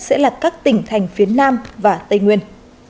sẽ là các tỉnh thành phía nam và tây nguyên